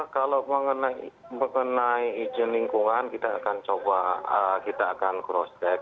kalau mengenai izin lingkungan kita akan coba kita akan cross check